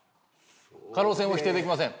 可能性も否定できません。